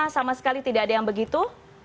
sama sekali tidak ada yang begitu